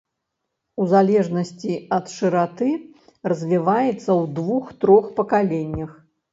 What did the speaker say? У залежнасці ад шыраты, развіваецца ў двух-трох пакаленнях.